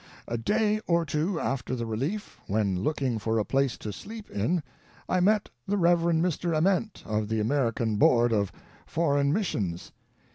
"A day or two after the relief, when looking for a place to sleep in, I met the Kev. Mr. Ament, of the American Board of Foreign Mis sions.